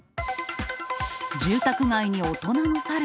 住宅街に大人のサル。